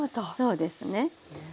そうですね。